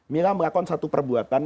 mila melakukan satu perbuatan